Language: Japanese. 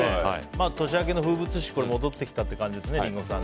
年明けの風物詩が戻ってきたという感じですね。